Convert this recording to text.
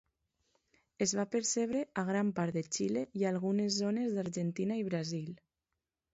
Es va percebre a gran part de Xile i a algunes zones d'Argentina i Brasil.